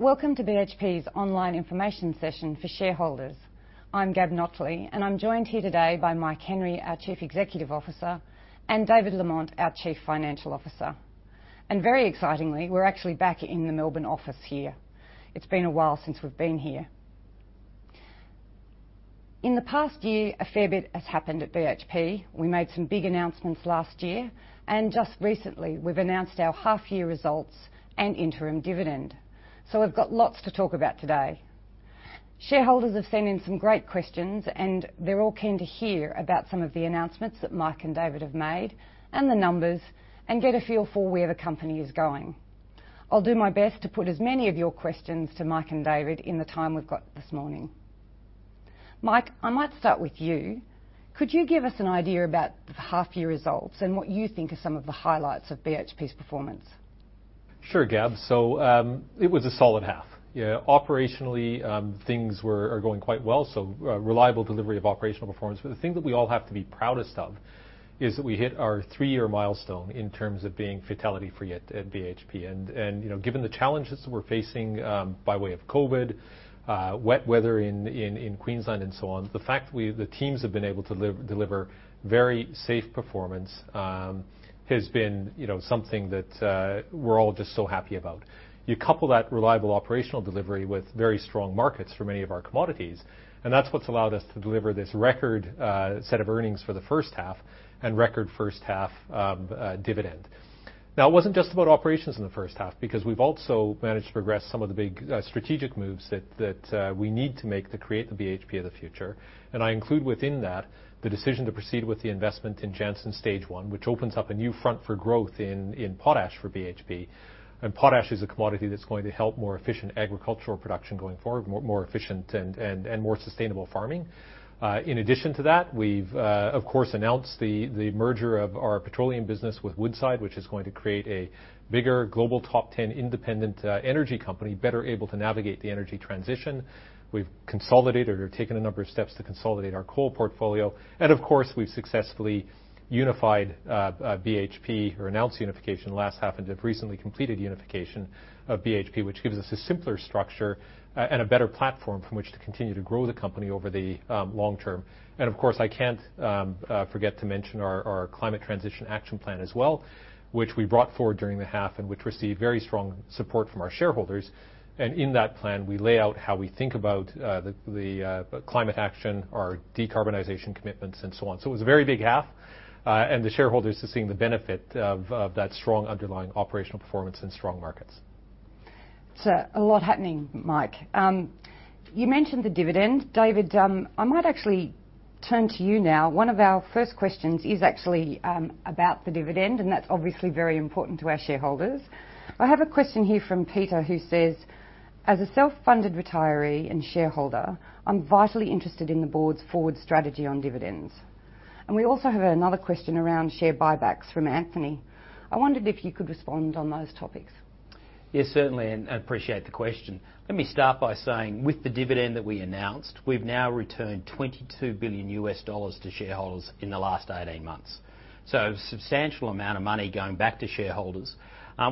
Welcome to BHP's online information session for shareholders. I'm Gab Notley, and I'm joined here today by Mike Henry, our Chief Executive Officer, and David Lamont, our Chief Financial Officer. Very excitingly, we're actually back in the Melbourne office here. It's been a while since we've been here. In the past year, a fair bit has happened at BHP. We made some big announcements last year, and just recently, we've announced our half-year results and interim dividend. We've got lots to talk about today. Shareholders have sent in some great questions, and they're all keen to hear about some of the announcements that Mike and David have made, and the numbers, and get a feel for where the company is going. I'll do my best to put as many of your questions to Mike and David in the time we've got this morning. Mike, I might start with you. Could you give us an idea about the half-year results and what you think are some of the highlights of BHP's performance? Sure, Gab. It was a solid half. Yeah. Operationally, things are going quite well, so, reliable delivery of operational performance. The thing that we all have to be proudest of is that we hit our three-year milestone in terms of being fatality-free at BHP. You know, given the challenges we're facing, by way of COVID, wet weather in Queensland and so on, the fact the teams have been able to deliver very safe performance has been something that we're all just so happy about. You couple that reliable operational delivery with very strong markets for many of our commodities, and that's what's allowed us to deliver this record set of earnings for the first half and record first half dividend. Now, it wasn't just about operations in the first half because we've also managed to progress some of the big strategic moves that we need to make to create the BHP of the future. I include within that the decision to proceed with the investment in Jansen Stage 1, which opens up a new front for growth in potash for BHP. Potash is a commodity that's going to help more efficient agricultural production going forward, more efficient and more sustainable farming. In addition to that, we've of course announced the merger of our petroleum business with Woodside, which is going to create a bigger global top ten independent energy company better able to navigate the energy transition. We've consolidated or taken a number of steps to consolidate our coal portfolio. Of course, we've successfully announced unification last half and have recently completed unification of BHP, which gives us a simpler structure and a better platform from which to continue to grow the company over the long term. Of course, I can't forget to mention our Climate Transition Action Plan as well, which we brought forward during the half and which received very strong support from our shareholders. In that plan, we lay out how we think about the climate action, our decarbonization commitments, and so on. It was a very big half. The shareholders are seeing the benefit of that strong underlying operational performance in strong markets. A lot happening, Mike. You mentioned the dividend. David, I might actually turn to you now. One of our first questions is actually about the dividend, and that's obviously very important to our shareholders. I have a question here from Peter who says, "As a self-funded retiree and shareholder, I'm vitally interested in the board's forward strategy on dividends." We also have another question around share buybacks from Anthony. I wondered if you could respond on those topics. Yeah, certainly, I appreciate the question. Let me start by saying with the dividend that we announced, we've now returned $22 billion to shareholders in the last 18 months. Substantial amount of money going back to shareholders,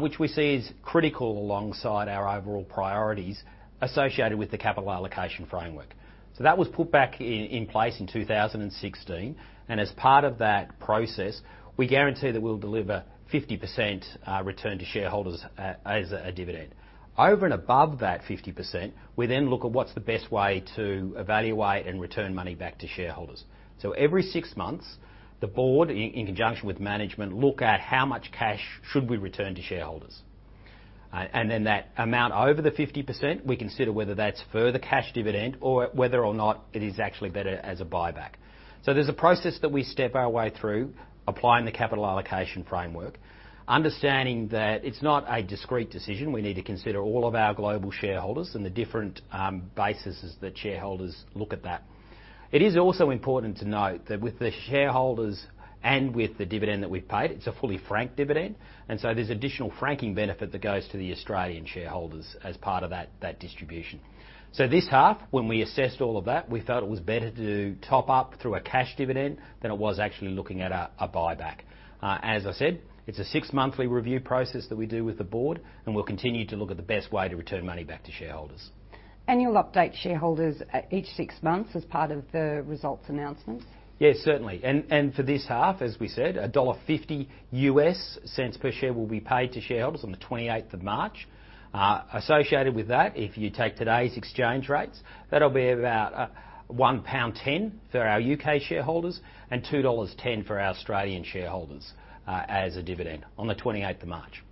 which we see is critical alongside our overall priorities associated with the Capital Allocation Framework. That was put back in place in 2016. As part of that process, we guarantee that we'll deliver 50% return to shareholders as a dividend. Over and above that 50%, we then look at what's the best way to evaluate and return money back to shareholders. Every 6 months, the board, in conjunction with management, look at how much cash should we return to shareholders. That amount over the 50%, we consider whether that's further cash dividend or whether or not it is actually better as a buyback. There's a process that we step our way through, applying the Capital Allocation Framework, understanding that it's not a discrete decision. We need to consider all of our global shareholders and the different bases that shareholders look at that. It is also important to note that with the shareholders and with the dividend that we've paid, it's a fully franked dividend, and there's additional franking benefit that goes to the Australian shareholders as part of that distribution. This half, when we assessed all of that, we thought it was better to top up through a cash dividend than it was actually looking at a buyback. As I said, it's a six-monthly review process that we do with the board, and we'll continue to look at the best way to return money back to shareholders. You'll update shareholders each six months as part of the results announcements? Yes, certainly. For this half, as we said, $1.50 per share will be paid to shareholders on the twenty-eighth of March. Associated with that, if you take today's exchange rates, that'll be about 1.10 pound for our UK shareholders and 2.10 dollars for our Australian shareholders, as a dividend on the 28th March.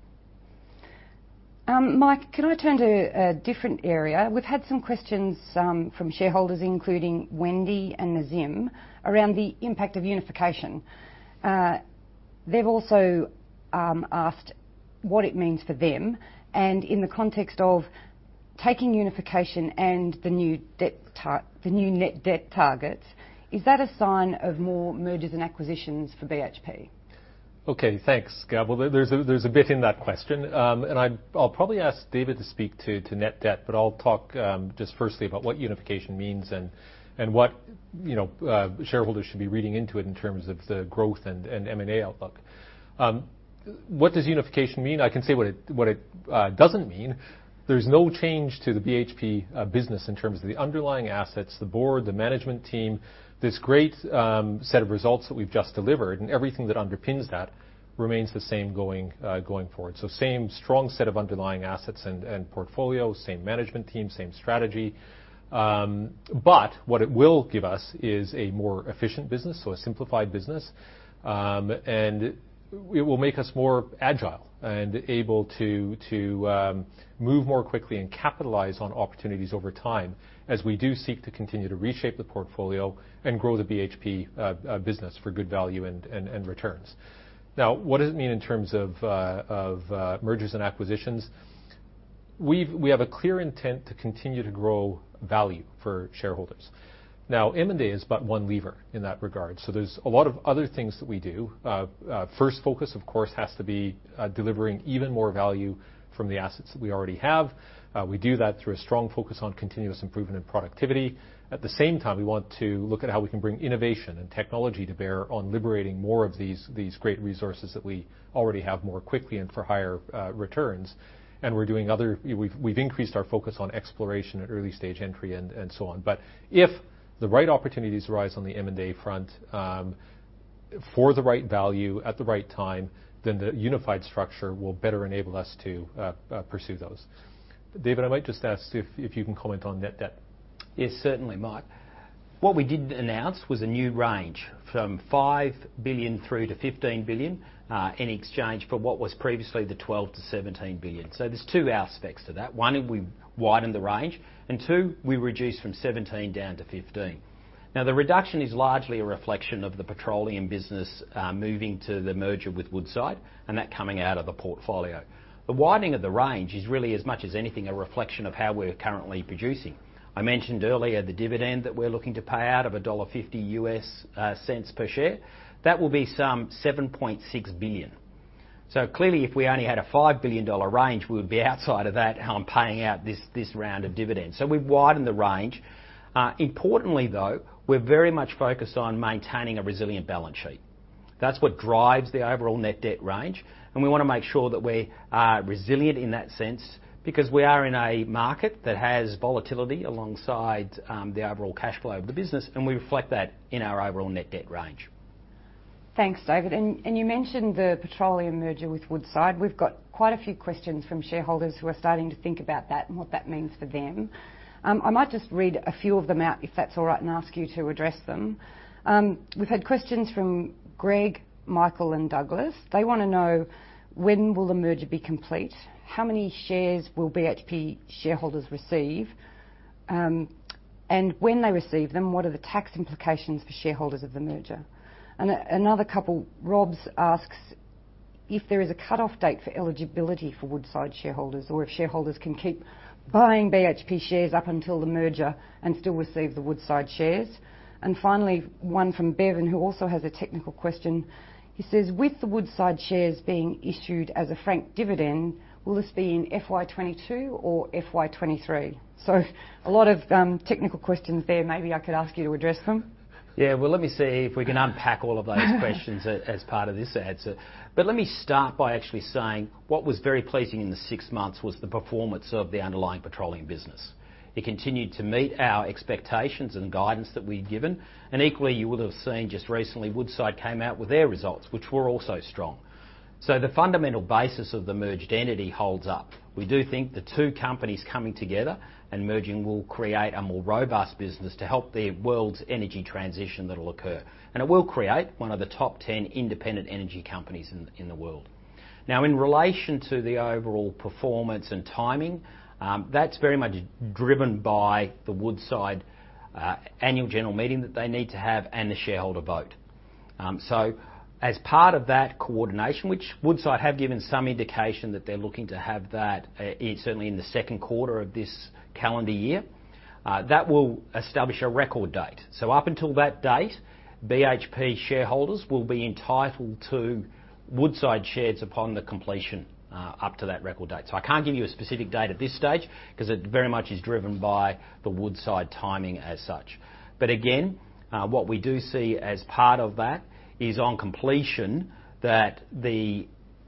Mike, can I turn to a different area? We've had some questions from shareholders, including Wendy and Nazim, around the impact of unification. They've also asked what it means for them, and in the context of taking unification and the new net debt targets, is that a sign of more mergers and acquisitions for BHP? Okay. Thanks, Gab. Well, there's a bit in that question. I'll probably ask David to speak to net debt, but I'll talk just firstly about what unification means and what you know shareholders should be reading into it in terms of the growth and M&A outlook. What does unification mean? I can say what it doesn't mean. There's no change to the BHP business in terms of the underlying assets, the board, the management team. This great set of results that we've just delivered and everything that underpins that remains the same going forward. Same strong set of underlying assets and portfolio, same management team, same strategy. What it will give us is a more efficient business, so a simplified business. It will make us more agile and able to move more quickly and capitalize on opportunities over time as we do seek to continue to reshape the portfolio and grow the BHP business for good value and returns. Now, what does it mean in terms of mergers and acquisitions? We have a clear intent to continue to grow value for shareholders. Now, M&A is but one lever in that regard, so there's a lot of other things that we do. First focus, of course, has to be delivering even more value from the assets that we already have. We do that through a strong focus on continuous improvement in productivity. At the same time, we want to look at how we can bring innovation and technology to bear on liberating more of these great resources that we already have more quickly and for higher returns. We've increased our focus on exploration and early-stage entry and so on. If the right opportunities arise on the M&A front, for the right value at the right time, then the unified structure will better enable us to pursue those. David, I might just ask if you can comment on net debt. Yes, certainly, Mike. What we did announce was a new range from $5 billion-$15 billion in exchange for what was previously the $12 billion-$17 billion. There's two aspects to that. One, we widened the range, and two, we reduced from 17 down to 15. Now, the reduction is largely a reflection of the petroleum business moving to the merger with Woodside and that coming out of the portfolio. The widening of the range is really, as much as anything, a reflection of how we're currently producing. I mentioned earlier the dividend that we're looking to pay out of $1.50 USD cents per share. That will be some $7.6 billion. Clearly, if we only had a $5 billion range, we would be outside of that on paying out this round of dividends. We've widened the range. Importantly, though, we're very much focused on maintaining a resilient balance sheet. That's what drives the overall net debt range, and we wanna make sure that we are resilient in that sense because we are in a market that has volatility alongside the overall cash flow of the business, and we reflect that in our overall net debt range. Thanks, David. You mentioned the petroleum merger with Woodside. We've got quite a few questions from shareholders who are starting to think about that and what that means for them. I might just read a few of them out, if that's all right, and ask you to address them. We've had questions from Greg, Michael, and Douglas. They wanna know when the merger will be complete, how many shares will BHP shareholders receive, and when they receive them, what are the tax implications for shareholders of the merger? Another couple, Rob asks if there is a cutoff date for eligibility for Woodside shareholders or if shareholders can keep buying BHP shares up until the merger and still receive the Woodside shares. Finally, one from Bevan, who also has a technical question. He says, with the Woodside shares being issued as a franked dividend, will this be in FY 2022 or FY 2023? A lot of technical questions there. Maybe I could ask you to address them. Yeah. Well, let me see if we can unpack all of those questions as part of this answer. Let me start by actually saying what was very pleasing in the six months was the performance of the underlying petroleum business. It continued to meet our expectations and guidance that we'd given. Equally, you would have seen just recently Woodside came out with their results, which were also strong. The fundamental basis of the merged entity holds up. We do think the two companies coming together and merging will create a more robust business to help the world's energy transition that'll occur, and it will create one of the top ten independent energy companies in the world. Now, in relation to the overall performance and timing, that's very much driven by the Woodside annual general meeting that they need to have and the shareholder vote. As part of that coordination, which Woodside have given some indication that they're looking to have that, certainly in the Q2 of this calendar year, that will establish a record date. Up until that date, BHP shareholders will be entitled to Woodside shares upon the completion up to that record date. I can't give you a specific date at this stage because it very much is driven by the Woodside timing as such. Again, what we do see as part of that is on completion that the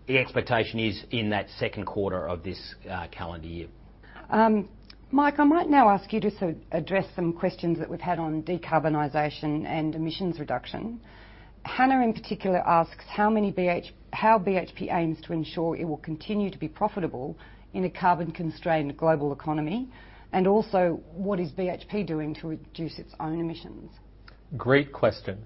expectation is in that Q2 of this calendar year. Mike, I might now ask you to address some questions that we've had on decarbonization and emissions reduction. Hannah in particular asks how BHP aims to ensure it will continue to be profitable in a carbon-constrained global economy, and also what is BHP doing to reduce its own emissions? Great question.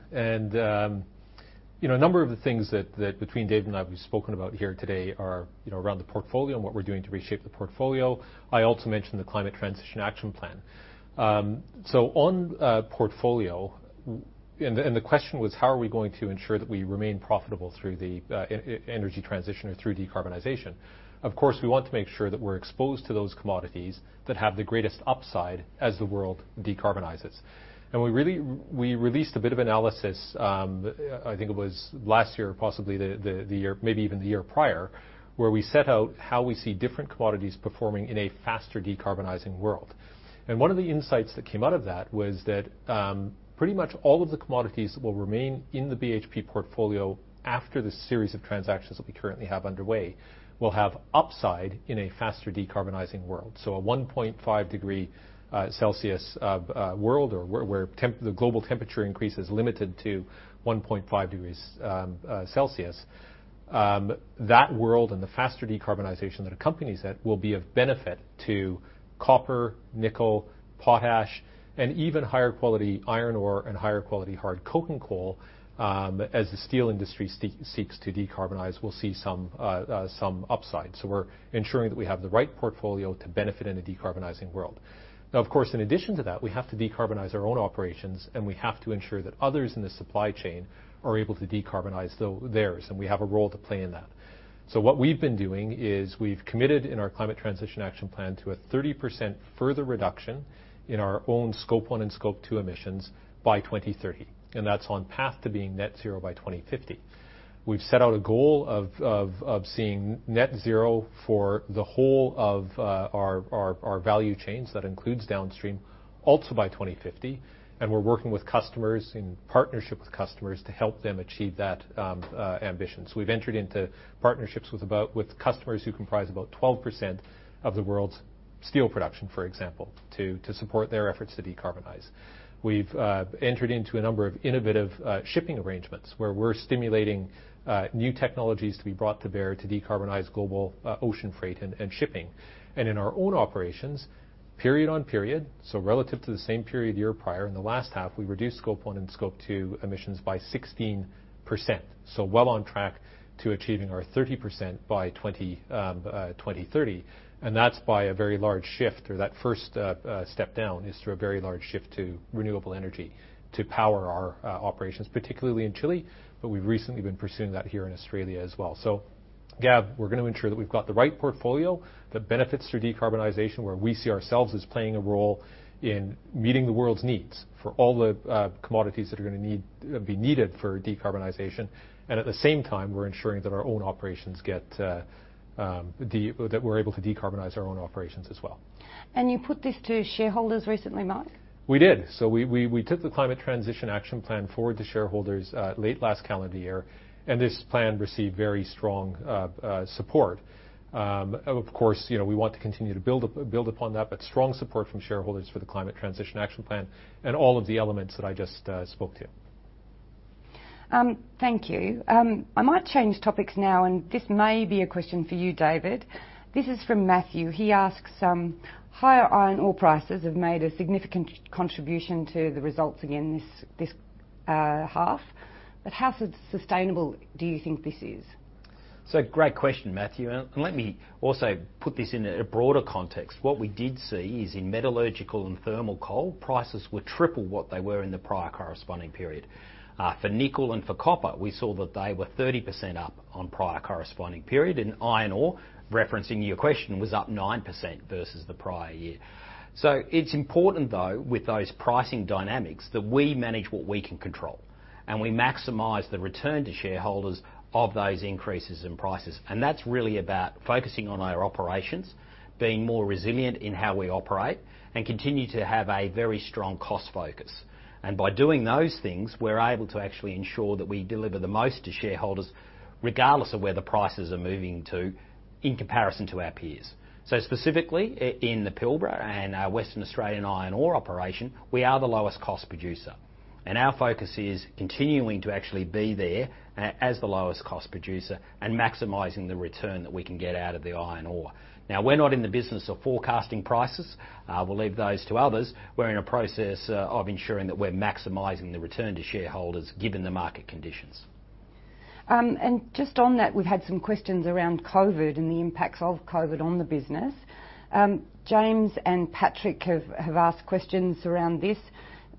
You know, a number of the things that between David and I, we've spoken about here today are, you know, around the portfolio and what we're doing to reshape the portfolio. I also mentioned the Climate Transition Action Plan. On portfolio, and the question was how are we going to ensure that we remain profitable through the energy transition or through decarbonization. Of course, we want to make sure that we're exposed to those commodities that have the greatest upside as the world decarbonizes. We really released a bit of analysis, I think it was last year, possibly the year, maybe even the year prior, where we set out how we see different commodities performing in a faster decarbonizing world. One of the insights that came out of that was that pretty much all of the commodities will remain in the BHP portfolio after the series of transactions that we currently have underway will have upside in a faster decarbonizing world. A 1.5 degrees Celsius world or where the global temperature increase is limited to 1.5 degrees Celsius. That world and the faster decarbonization that accompanies it will be of benefit to copper, nickel, potash, and even higher quality iron ore and higher quality hard coking coal, as the steel industry seeks to decarbonize, we'll see some upside. We're ensuring that we have the right portfolio to benefit in a decarbonizing world. Now, of course, in addition to that, we have to decarbonize our own operations, and we have to ensure that others in the supply chain are able to decarbonize theirs, and we have a role to play in that. What we've been doing is we've committed in our Climate Transition Action Plan to a 30% further reduction in our own Scope 1 and Scope 2 emissions by 2030. That's on path to being net zero by 2050. We've set out a goal of seeing net zero for the whole of our value chains. That includes downstream, also by 2050, and we're working with customers, in partnership with customers to help them achieve that ambition. We've entered into partnerships with customers who comprise about 12% of the world's steel production, for example, to support their efforts to decarbonize. We've entered into a number of innovative shipping arrangements where we're stimulating new technologies to be brought to bear to decarbonize global ocean freight and shipping. In our own operations, period on period, so relative to the same period a year prior, in the last half, we reduced Scope 1 and Scope 2 emissions by 16%. Well on track to achieving our 30% by 2030. That's by a very large shift to renewable energy to power our operations, particularly in Chile, but we've recently been pursuing that here in Australia as well. Gab, we're gonna ensure that we've got the right portfolio that benefits through decarbonization, where we see ourselves as playing a role in meeting the world's needs for all the commodities that are gonna be needed for decarbonization. At the same time, we're ensuring that we're able to decarbonize our own operations as well. You put this to shareholders recently, Mike? We did. We took the Climate Transition Action Plan forward to shareholders late last calendar year, and this plan received very strong support. Of course, you know, we want to continue to build upon that, but strong support from shareholders for the Climate Transition Action Plan and all of the elements that I just spoke to. Thank you. I might change topics now, and this may be a question for you, David. This is from Matthew. He asks: Higher Iron ore prices have made a significant contribution to the results again this half. How sustainable do you think this is? Great question, Matthew. Let me also put this in a broader context. What we did see is in metallurgical and thermal coal, prices were triple what they were in the prior corresponding period. For nickel and for copper, we saw that they were 30% up on prior corresponding period. In iron ore, referencing your question, it was up 9% versus the prior year. It's important, though, with those pricing dynamics, that we manage what we can control, and we maximize the return to shareholders of those increases in prices. That's really about focusing on our operations, being more resilient in how we operate, and continue to have a very strong cost focus. By doing those things, we're able to actually ensure that we deliver the most to shareholders, regardless of where the prices are moving to in comparison to our peers. Specifically, in the Pilbara and our Western Australian iron ore operation, we are the lowest cost producer. Our focus is continuing to actually be there as the lowest cost producer and maximizing the return that we can get out of the iron ore. Now, we're not in the business of forecasting prices. We'll leave those to others. We're in a process of ensuring that we're maximizing the return to shareholders given the market conditions. Just on that, we've had some questions around COVID and the impacts of COVID on the business. James and Patrick have asked questions around this.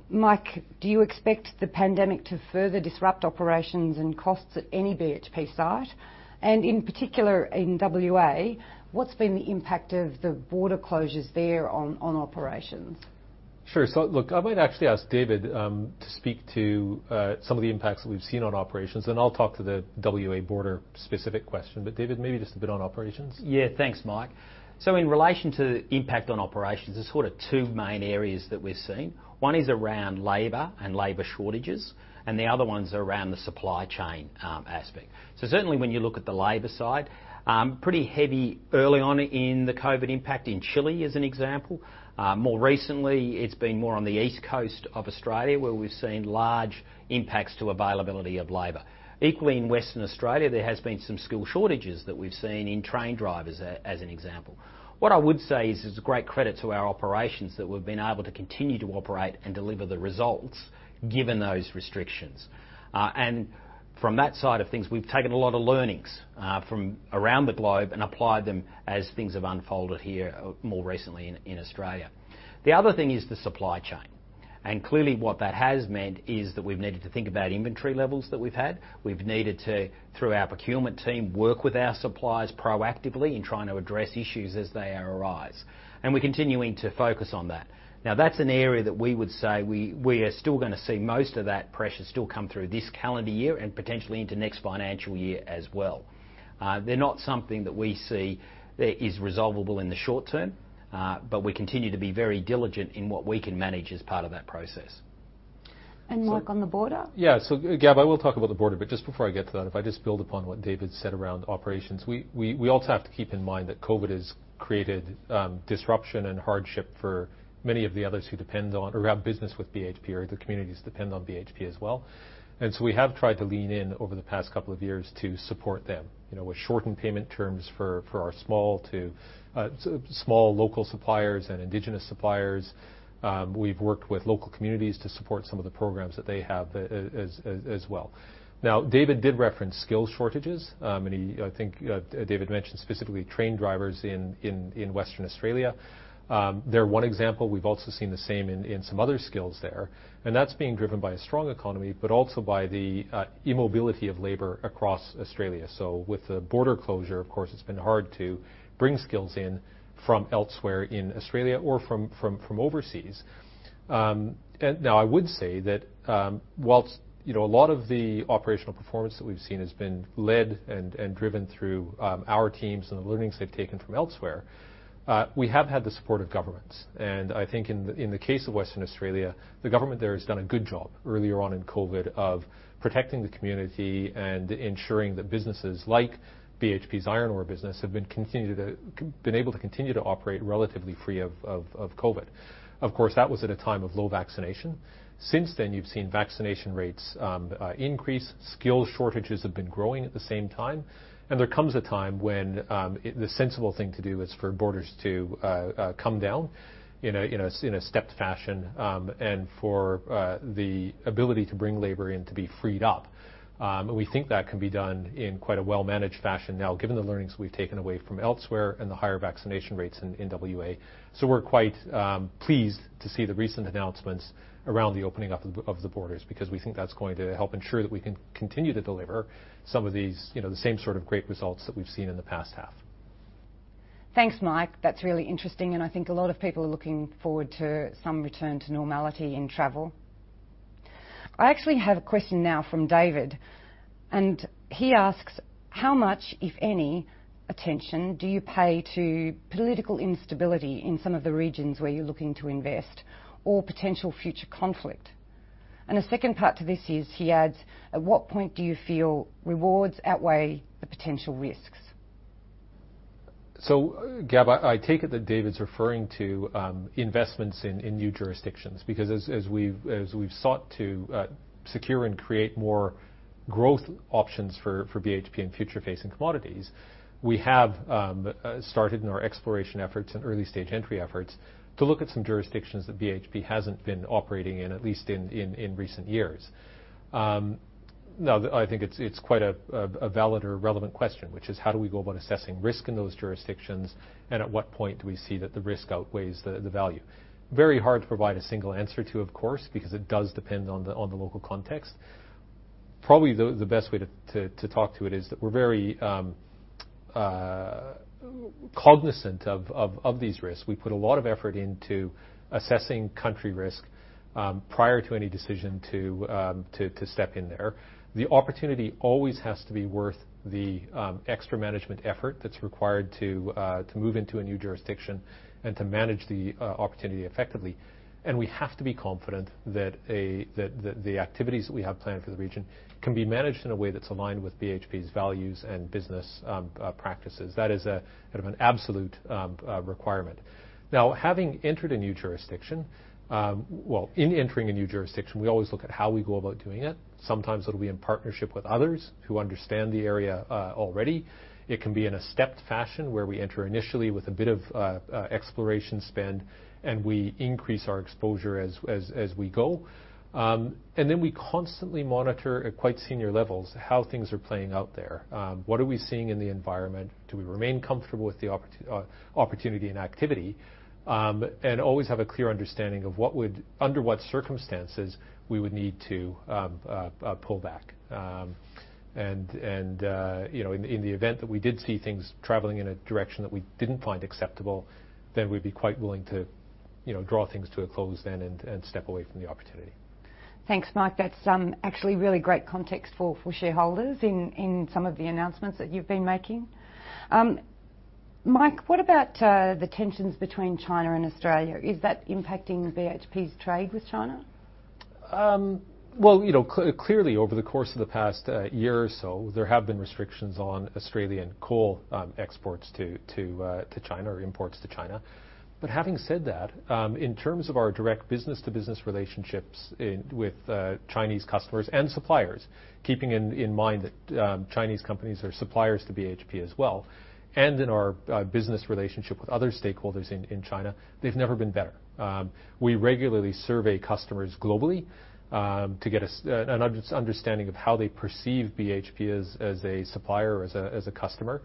Mike, do you expect the pandemic to further disrupt operations and costs at any BHP site? In particular, in WA, what's been the impact of the border closures there on operations? Sure. Look, I might actually ask David to speak to some of the impacts that we've seen on operations, and I'll talk to the WA border specific question. David, maybe just a bit on operations. Yeah. Thanks, Mike. In relation to impact on operations, there's two main areas that we're seeing. One is around labor and labor shortages, and the other one's around the supply chain, aspect. Certainly when you look at the labor side, pretty heavy early on in the COVID impact in Chile as an example. More recently, it's been more on the East Coast of Australia, where we've seen large impacts to availability of labor. Equally in Western Australia, there has been some skill shortages that we've seen in train drivers as an example. What I would say is it's a great credit to our operations that we've been able to continue to operate and deliver the results given those restrictions. From that side of things, we've taken a lot of learnings from around the globe and applied them as things have unfolded here more recently in Australia. The other thing is the supply chain. Clearly what that has meant is that we've needed to think about inventory levels that we've had. We've needed to, through our procurement team, work with our suppliers proactively in trying to address issues as they arise. We're continuing to focus on that. Now, that's an area that we would say we are still gonna see most of that pressure still come through this calendar year and potentially into next financial year as well. They're not something that we see that is resolvable in the short term, but we continue to be very diligent in what we can manage as part of that process. Mike, on the border? Gab, I will talk about the border, but just before I get to that, if I just build upon what David said around operations. We also have to keep in mind that COVID has created disruption and hardship for many of the others who depend on or have business with BHP, or the communities depend on BHP as well. We have tried to lean in over the past couple of years to support them, you know, with shortened payment terms for our small local suppliers and indigenous suppliers. We've worked with local communities to support some of the programs that they have as well. Now, David did reference skill shortages, and he, I think, David mentioned specifically train drivers in Western Australia. They're one example. We've also seen the same in some other skills there, and that's being driven by a strong economy, but also by the immobility of labor across Australia. With the border closure, of course, it's been hard to bring skills in from elsewhere in Australia or from overseas. Now I would say that whilst, you know, a lot of the operational performance that we've seen has been led and driven through our teams and the learnings they've taken from elsewhere, we have had the support of governments. I think in the case of Western Australia, the government there has done a good job earlier on in COVID of protecting the community and ensuring that businesses like BHP's iron ore business have been able to continue to operate relatively free of COVID. Of course, that was at a time of low vaccination. Since then, you've seen vaccination rates increase. Skill shortages have been growing at the same time. There comes a time when the sensible thing to do is for borders to come down in a stepped fashion and for the ability to bring labor in to be freed up. We think that can be done in quite a well-managed fashion now, given the learnings we've taken away from elsewhere and the higher vaccination rates in WA. We're quite pleased to see the recent announcements around the opening up of the borders, because we think that's going to help ensure that we can continue to deliver some of these, you know, the same so great results that we've seen in the past half. Thanks, Mike. That's really interesting, and I think a lot of people are looking forward to some return to normality in travel. I actually have a question now from David, and he asks, "How much, if any, attention do you pay to political instability in some of the regions where you're looking to invest or potential future conflict?" And the second part to this is, he adds, "At what point do you feel rewards outweigh the potential risks? Gab, I take it that David's referring to investments in new jurisdictions. Because we've sought to secure and create more growth options for BHP in future-facing commodities, we have started in our exploration efforts and early-stage entry efforts to look at some jurisdictions that BHP hasn't been operating in, at least in recent years. Now, I think it's quite a valid or relevant question, which is how do we go about assessing risk in those jurisdictions, and at what point do we see that the risk outweighs the value? Very hard to provide a single answer to, of course, because it does depend on the local context. Probably the best way to talk to it is that we're very cognizant of these risks. We put a lot of effort into assessing country risk prior to any decision to step in there. The opportunity always has to be worth the extra management effort that's required to move into a new jurisdiction and to manage the opportunity effectively. We have to be confident that the activities we have planned for the region can be managed in a way that's aligned with BHP's values and business practices. That is a an absolute requirement. Now, having entered a new jurisdiction, well, in entering a new jurisdiction, we always look at how we go about doing it. Sometimes it'll be in partnership with others who understand the area already. It can be in a stepped fashion where we enter initially with a bit of exploration spend, and we increase our exposure as we go. We constantly monitor at quite senior levels how things are playing out there. What are we seeing in the environment? Do we remain comfortable with the opportunity and activity? We always have a clear understanding of under what circumstances we would need to pull back. You know, in the event that we did see things traveling in a direction that we didn't find acceptable, we'd be quite willing to draw things to a close then and step away from the opportunity. Thanks, Mike. That's actually really great context for shareholders in some of the announcements that you've been making. Mike, what about the tensions between China and Australia? Is that impacting BHP's trade with China? Well, you know, clearly over the course of the past year or so, there have been restrictions on Australian coal exports to China or imports to China. Having said that, in terms of our direct business-to-business relationships in with Chinese customers and suppliers, keeping in mind that Chinese companies are suppliers to BHP as well, and in our business relationship with other stakeholders in China, they've never been better. We regularly survey customers globally to get an understanding of how they perceive BHP as a supplier or as a customer.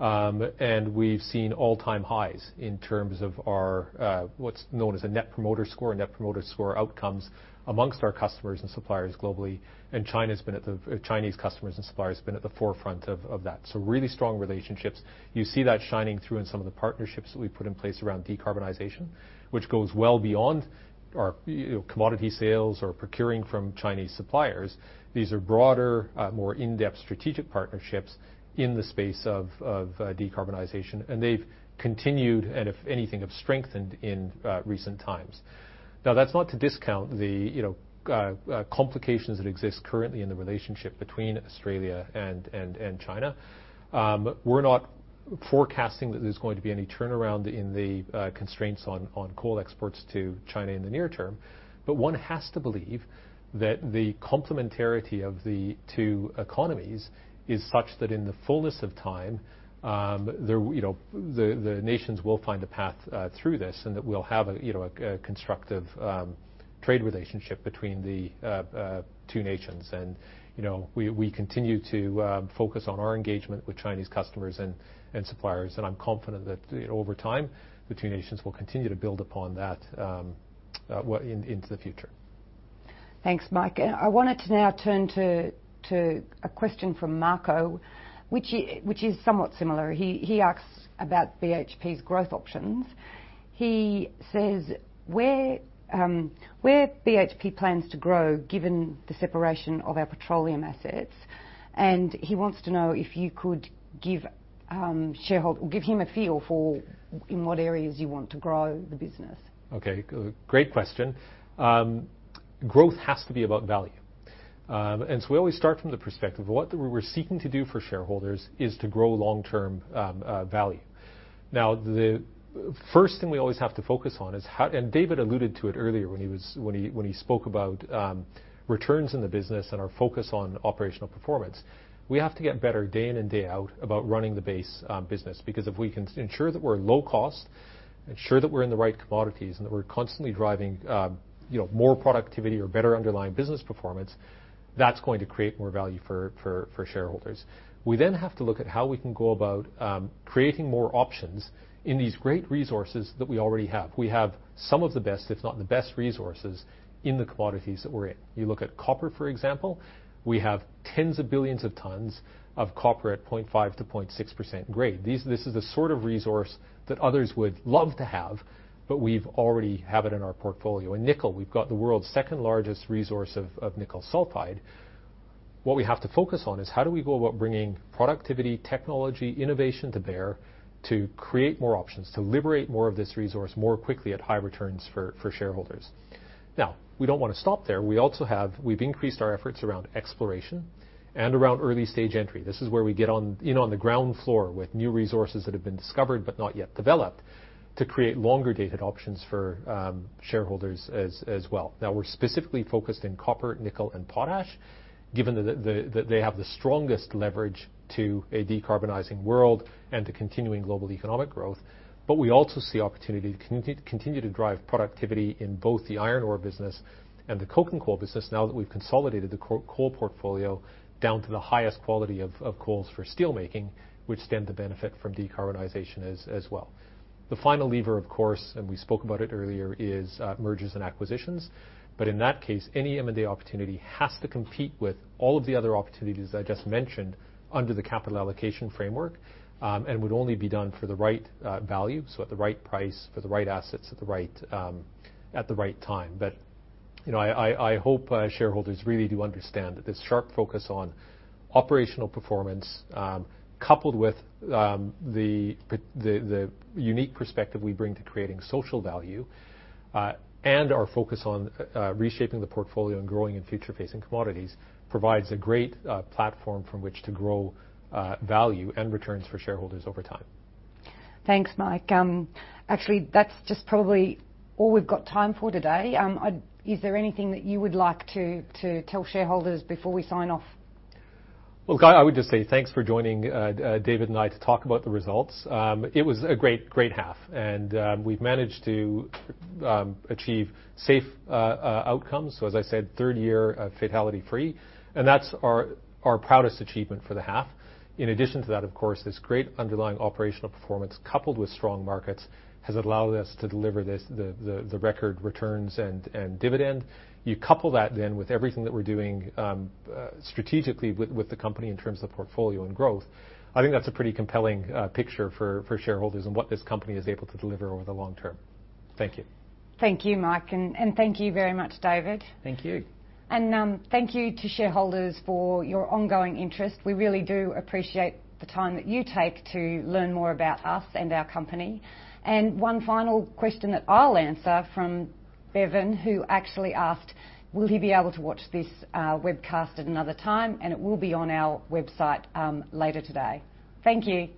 We've seen all-time highs in terms of our what's known as a Net Promoter Score outcomes among our customers and suppliers globally, and Chinese customers and suppliers been at the forefront of that. Really strong relationships. You see that shining through in some of the partnerships that we've put in place around decarbonization, which goes well beyond our, you know, commodity sales or procuring from Chinese suppliers. These are broader, more in-depth strategic partnerships in the space of decarbonization, and they've continued, and if anything, have strengthened in recent times. Now, that's not to discount the, you know, complications that exist currently in the relationship between Australia and China. We're not forecasting that there's going to be any turnaround in the constraints on coal exports to China in the near term. One has to believe that the complementarity of the two economies is such that in the fullness of time, you know, the nations will find a path through this, and that we'll have a you know, a constructive trade relationship between the two nations. You know, we continue to focus on our engagement with Chinese customers and suppliers. I'm confident that over time the two nations will continue to build upon that into the future. Thanks, Mike. I wanted to now turn to a question from Marco, which is somewhat similar. He asks about BHP's growth options. He says, "Where BHP plans to grow given the separation of our petroleum assets?" And he wants to know if you could give him a feel for in what areas you want to grow the business. Okay. Great question. Growth has to be about value. We always start from the perspective of what we're seeking to do for shareholders is to grow long-term value. Now, the first thing we always have to focus on is how, and David alluded to it earlier when he spoke about returns in the business and our focus on operational performance. We have to get better day in and day out about running the base business. Because if we can ensure that we're low cost, ensure that we're in the right commodities, and that we're constantly driving you know more productivity or better underlying business performance, that's going to create more value for shareholders. We have to look at how we can go about creating more options in these great resources that we already have. We have some of the best, if not the best resources in the commodities that we're in. You look at copper, for example, we have tens of billions of tons of copper at 0.5%-0.6% grade. This is the resource that others would love to have, but we already have it in our portfolio. In nickel, we've got the world's second-largest resource of nickel sulfide. What we have to focus on is how do we go about bringing productivity, technology, innovation to bear to create more options, to liberate more of this resource more quickly at high returns for shareholders. We don't wanna stop there. We've increased our efforts around exploration and around early-stage entry. This is where we get on the ground floor with new resources that have been discovered but not yet developed to create longer-dated options for shareholders as well. Now, we're specifically focused in copper, nickel, and potash, given that they have the strongest leverage to a decarbonizing world and to continuing global economic growth. We also see opportunity to continue to drive productivity in both the iron ore business and the coking coal business now that we've consolidated the coal portfolio down to the highest quality of coals for steel making, which stand to benefit from decarbonization as well. The final lever, of course, and we spoke about it earlier, is mergers and acquisitions. In that case, any M&A opportunity has to compete with all of the other opportunities I just mentioned under the Capital Allocation Framework, and would only be done for the right value, so at the right price, for the right assets at the right time. You know, I hope shareholders really do understand that this sharp focus on operational performance, coupled with the unique perspective we bring to creating social value, and our focus on reshaping the portfolio and growing in future-facing commodities provides a great platform from which to grow value and returns for shareholders over time. Thanks, Mike. Actually, that's just probably all we've got time for today. Is there anything that you would like to tell shareholders before we sign off? Well, I would just say thanks for joining David and I to talk about the results. It was a great half, and we've managed to achieve safe outcomes. As I said, third year fatality-free, and that's our proudest achievement for the half. In addition to that, of course, this great underlying operational performance coupled with strong markets has allowed us to deliver this the record returns and dividend. You couple that then with everything that we're doing strategically with the company in terms of portfolio and growth, I think that's a pretty compelling picture for shareholders and what this company is able to deliver over the long term. Thank you. Thank you, Mike. Thank you very much, David. Thank you. Thank you to shareholders for your ongoing interest. We really do appreciate the time that you take to learn more about us and our company. One final question that I'll answer from Bevan, who actually asked will he be able to watch this webcast at another time, and it will be on our website later today. Thank you.